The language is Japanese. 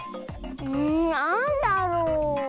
んなんだろう？